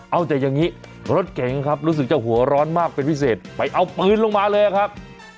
เอาแต่อย่างนี้รถเก๋งครับรู้สึกจะหัวร้อนมากเป็นพิเศษไปเอาปืนลงมาเลยครับ